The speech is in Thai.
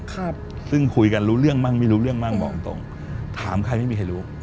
ครับซึ่งคุยกันรู้เรื่องมั่งไม่รู้เรื่องมั่งบอกตรงตรงถามใครไม่มีใครรู้